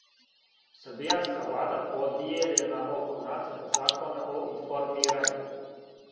Србијанска влада подијељена око нацрта закона о информирању